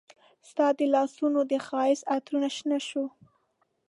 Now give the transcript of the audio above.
ستا د لاسونو د ښایست عطرونه شنه شوه